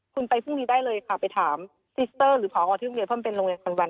คุณไปพรุ่งนี้ได้เลยค่ะไปถามซิสเตอร์หรือผอที่โรงเรียนเพราะมันเป็นโรงเรียนคอนวัน